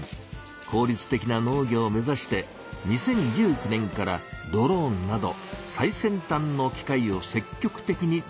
効率的な農業を目ざして２０１９年からドローンなど最先端の機械を積極的にどう入しています。